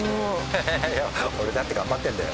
ハハハ俺だって頑張ってんだよ。